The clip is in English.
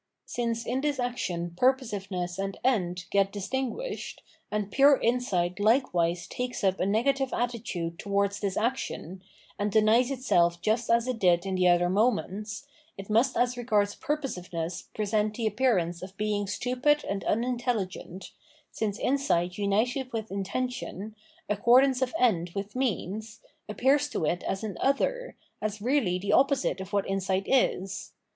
Since in this action puiposiveness and end get dis tinguished, and pure insight likewise takes up a nega tive attitude towards this action, and denies itself just as it did in the other moments, it must as regards purposiveness present the appearance of being stupid and unintelligent, since insight united with intention, accordance of end with means, appears to it as an other, as really the opposite of what insight is.